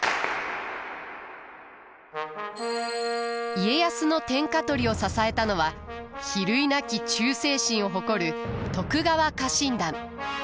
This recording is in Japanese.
家康の天下取りを支えたのは比類なき忠誠心を誇る徳川家臣団。